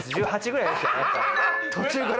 １８くらいですか？